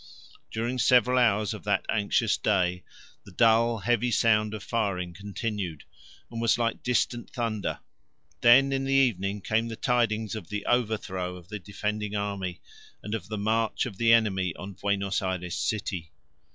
During several hours of that anxious day the dull, heavy sound of firing continued and was like distant thunder: then in the evening came the tidings of the overthrow of the defending army, and of the march of the enemy on Buenos Ayres city!